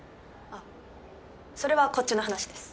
あっそれはこっちの話です